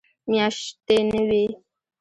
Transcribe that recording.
میاشتې نه وي.